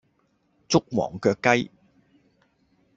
捉黃腳雞